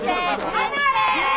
離れ！